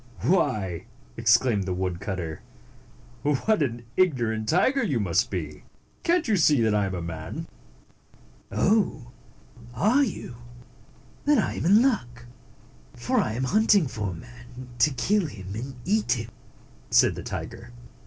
Why," exclaimed the woodcutter, " what an ignorant tiger you must be! Cant you see that I am a man?" "Oh! Are you? Then I am in luck; for I am hunting for a man, to kill him and eat him," said the tiger.